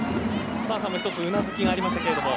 澤さんも１つうなずきがありましたけども。